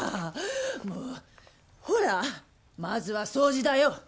もうほらまずは掃除だよ！